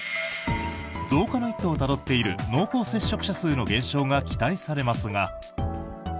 増加の一途をたどっている濃厚接触者数の減少が期待されますが。